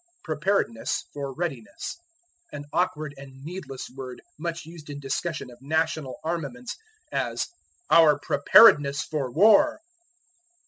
Preparedness for Readiness. An awkward and needless word much used in discussion of national armaments, as, "Our preparedness for war."